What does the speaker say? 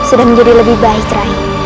sudah menjadi lebih baik lagi